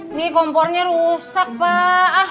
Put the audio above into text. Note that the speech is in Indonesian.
ini kompornya rusak pak